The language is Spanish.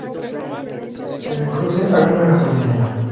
En el cruce hay una gasolinera.